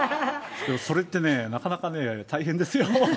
それってね、なかなか大変ですよ。